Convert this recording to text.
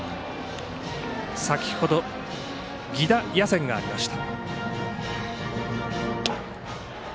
先ほど、犠打野選がありました。